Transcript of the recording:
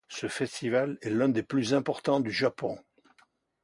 Ce festival est l'un des plus importants du Japon.